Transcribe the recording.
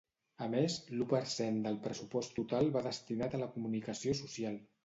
A més, l’u per cent del pressupost total va destinat a la comunicació social.